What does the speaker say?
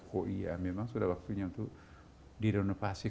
oh iya memang sudah waktunya untuk di inovasi